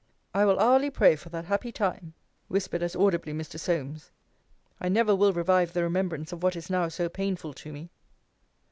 I will hourly pray for that happy time, whispered as audibly Mr. Solmes. I never will revive the remembrance of what is now so painful to me.